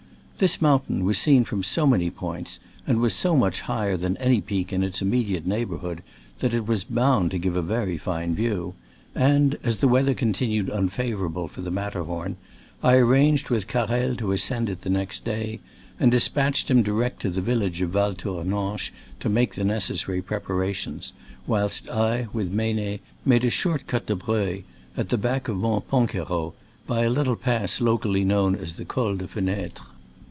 This mountain was seen from so many points, and was so much high er than any peak in its immediate neigh borhood, that it was bound to give a very fine view ; and (as the weather continued unfavorable for the Matter horn) I arranged with Carrel to ascend it the next day, and despatched him direct to the village of Val Tournanche to make the necessary preparations, whilst I, with Meynet, made a short cut to Breuil, at the back of Mont Panque ro, by a little pass locally known as the Col de Fenetre.